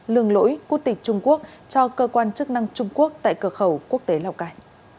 lường lỗi quốc tịch trung quốc cho cơ quan chức năng trung quốc tại cửa khẩu quốc tế lào cai